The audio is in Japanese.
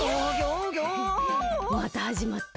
またはじまった。